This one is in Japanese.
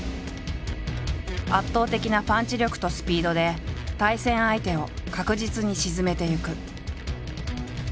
圧倒的なパンチ力とスピードで対戦相手を確実に沈めていく。